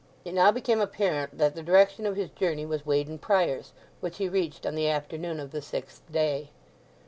It now became apparent that the direction of his journey was Weydon Priors, which he reached on the afternoon of the sixth day.